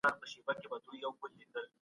سياستپوهنه د نفوذ کولو لاره ده.